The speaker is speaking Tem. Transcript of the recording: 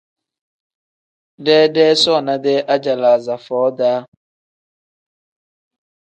Deedee soona-dee ajalaaza foo -daa.